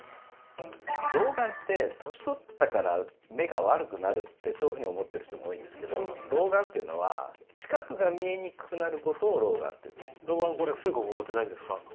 老眼って、歳を取ったから目が悪くなるってそういうふうに思っている人も多いんですけど老眼っていうのは近くが見えにくくなることを老眼っていうんですよ。